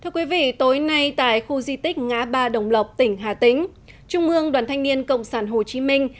thưa quý vị tối nay tại khu di tích ngã ba đồng lộc tỉnh hà tĩnh trung ương đoàn thanh niên cộng sản hồ chí minh